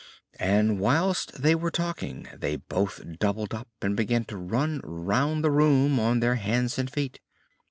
And whilst they were talking, they both doubled up and began to run round the room on their hands and feet.